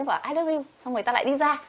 nó bảo i love you xong người ta lại đi ra